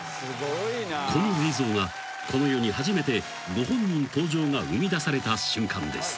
［この映像がこの世に初めてご本人登場が生みだされた瞬間です］